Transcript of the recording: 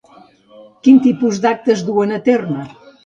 Quin tipus d'actes duen a terme?